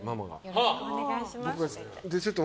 よろしくお願いしますって。